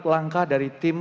ya saat ini